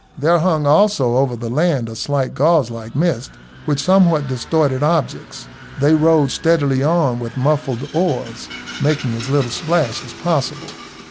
There hung also over the land a slight gauze like mist, which somewhat distorted objects. They rowed steadily on with muffled oars, making as little splash as possible.